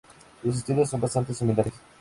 Sus estilos son bastantes similares.